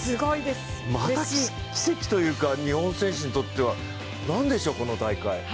また奇跡というか、日本選手にとっては何でしょう、この大会。